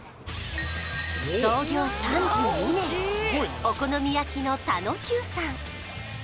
創業３２年お好み焼きの田の久さん